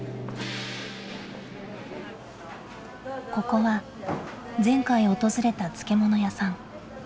ここは前回訪れた漬物屋さん。